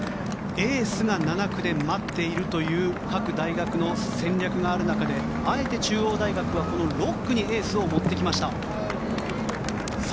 エースが７区で待っているという各大学の戦略がある中あえて中央大学はこの６区にエースを持ってきました。